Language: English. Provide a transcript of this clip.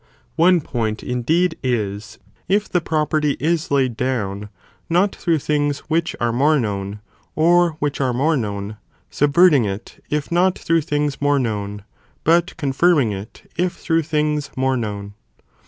one point indeed is, if the property is laid dent than its down, not through things which are more known, aublects or which are more known; subverting it, if not through things more known, but confirming it if through things more known.